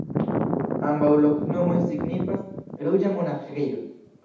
Ambaŭ loknomoj signifas: ruĝa monaĥejo.